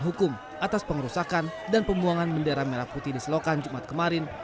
hukum atas pengerusakan dan pembuangan bendera merah putih di selokan jumat kemarin